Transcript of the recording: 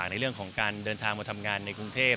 ในเรื่องของการเดินทางมาทำงานในกรุงเทพ